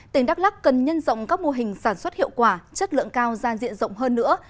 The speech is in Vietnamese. tỉnh đắk lắc cần nhân rộng các mô hình sản xuất hiệu quả chất lượng cao ra diện rộng hơn nữa